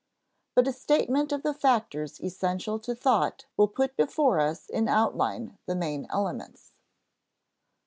But a statement of the factors essential to thought will put before us in outline the main elements.